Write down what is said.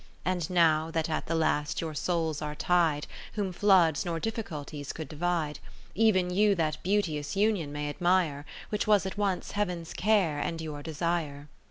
And now that at the last your souls are tied, Whom floods nor difficulties could divide, Ev'n you that beauteous union may admire. Which was at once Heaven's care, and your desire.